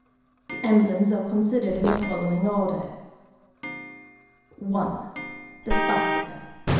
The emblems are considered in the following order:— I.—The Svastikâ.